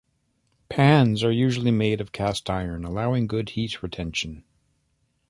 Pans are usually made of cast iron, allowing good heat retention.